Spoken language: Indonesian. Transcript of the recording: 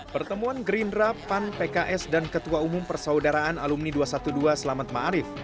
pertemuan gerindra pan pks dan ketua umum persaudaraan alumni dua ratus dua belas selamat ⁇ maarif ⁇